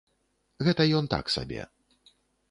Гэта ён так сабе.